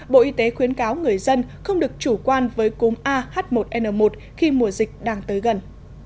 bộ y tế khuyến cáo người dân không được chủ quan với cúm ah một n một khi mùa dịch đang tới gần